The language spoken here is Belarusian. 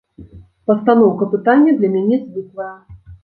Пастаноўка пытання для мяне звыклая.